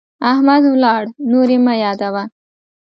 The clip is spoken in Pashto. احمد ولاړ، نور يې مه يادوه.